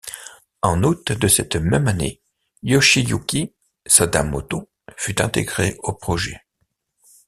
En août de cette même année, Yoshiyuki Sadamoto fut intégré au projet.